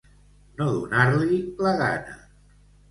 No donar-li la gana.